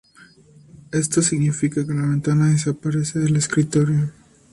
Esto significa que la ventana desaparece del escritorio.